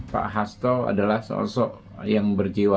pak hasto adalah sosok yang berjiwa